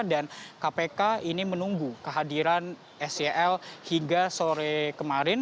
dan kpk ini menunggu kehadiran scl hingga sore kemarin